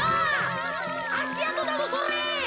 あしあとだぞそれ。